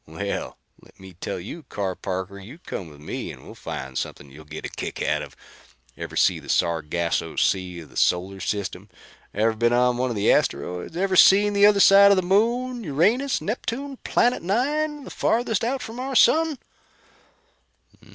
Well, let me tell you, Carr Parker, you come with me and we'll find something you'll get a kick out of. Ever seen the Sargasso Sea of the solar system? Ever been on one of the asteroids? Ever seen the other side of the Moon Uranus Neptune Planet 9, the farthest out from the sun?"